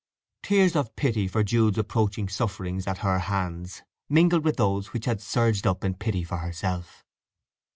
—Tears of pity for Jude's approaching sufferings at her hands mingled with those which had surged up in pity for herself.